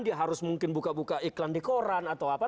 dia harus mungkin buka buka iklan di koran atau apa